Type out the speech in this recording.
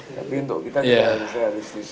tapi untuk kita juga harus realistis